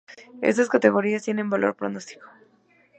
Estas categorías tienen valor pronóstico.